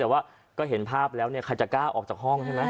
แต่ว่าก็เห็นภาพแล้วเนี่ยใครจะกล้าออกจากห้องใช่ไหม